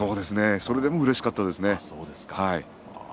それでもうれしかったですね。